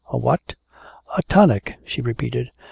"A what?" "A tonic," she repeated.